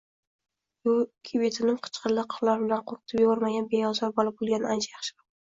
yoki betinim qichqiriqlari bilan qo‘rqitib yubormaydigan beozor bola bo‘lgani ancha yaxshiroq.